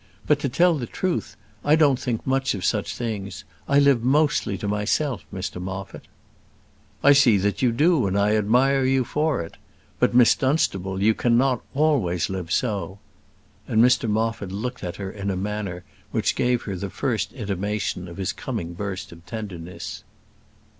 But, to tell the truth, I don't think much of such things. I live mostly to myself, Mr Moffat." "I see that you do, and I admire you for it; but, Miss Dunstable, you cannot always live so," and Mr Moffat looked at her in a manner which gave her the first intimation of his coming burst of tenderness.